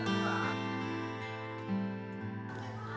dia aktif banget anaknya